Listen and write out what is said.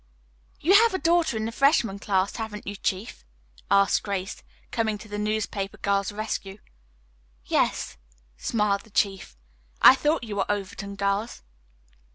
"You have a daughter in the freshman class, haven't you, Chief!" asked Grace, coming to the newspaper girl's rescue. "Yes," smiled the chief. "I thought you were Overton girls."